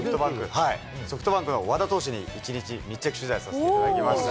ソフトバンクの和田投手に一日密着取材させていただきました。